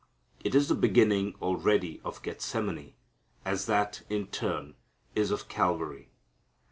It is the beginning already of Gethsemane, as that, in turn, is of Calvary.